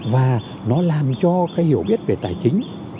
và nó làm cho hiểu biết về tài chính